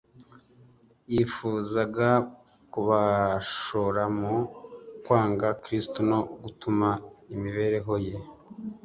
Yifuzaga kubashora mu kwanga Kristo no gutuma imibereho Ye